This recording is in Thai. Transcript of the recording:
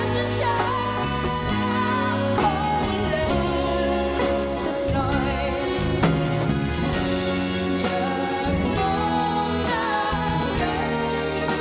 จะร้องให้